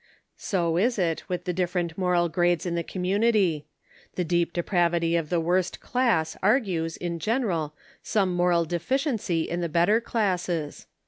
So is it with the different moral grades in the community. The deep depravity of the worst class argues, in general, some moral deficiency in the better classes.